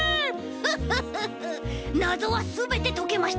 フッフッフッフなぞはすべてとけました！